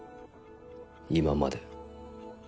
今まで。